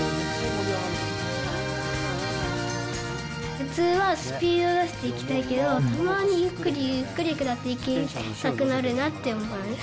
普通はスピード出して行きたいけど、たまにゆっくりゆっくり下っていきたくなるなと思いました。